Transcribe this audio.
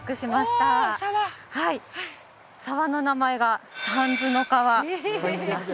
はい沢の名前が三途の川と言います